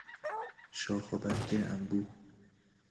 شاخوبرگ انبوه